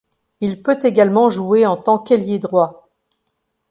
Il peut également jouer en tant qu'ailier droit.